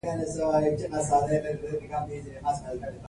د خپلو موخو لپاره مبارزه کول انسان ته هوډ او جرات بښي.